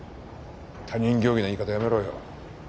他人行儀な言い方やめろよ。